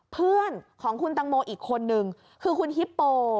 เพื่อนของคุณตังโมอีกคนนึงคือคุณฮิปโป